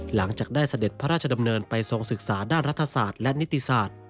หลังจากได้เสด็จพระราชดำเนินไปทรงศึกษาด้านรัฐศาสตร์และนิติศาสตร์